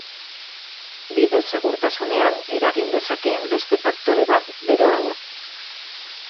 Bide segurtasunean eragin dezakeen beste faktore bat beroa da.